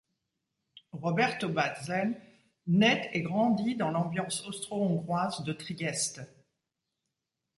Roberto Bazlen naît et grandit dans l'ambiance austro-hongroise de Trieste.